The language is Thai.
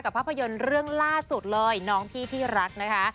ภาพยนตร์เรื่องล่าสุดเลยน้องพี่ที่รักนะคะ